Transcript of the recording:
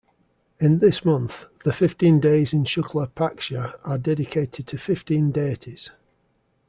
In this month, the fifteen days in Shukla paksha are dedicated to fifteen deities.